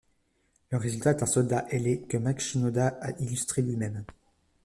Le résultat est un soldat ailé que Mike Shinoda a illustré lui-même.